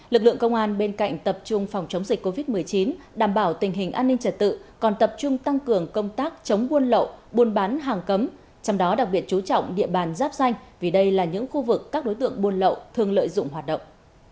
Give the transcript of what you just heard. lực lượng công an bên cạnh tập trung phòng chống dịch covid một mươi chín đảm bảo tình hình an ninh trật tự còn tập trung tăng cường công tác chống buôn lậu buôn bán hàng cấm trong đó đặc biệt chú trọng địa bàn giáp danh vì đây là những khu vực các đối tượng buôn lậu thường lợi dụng hoạt động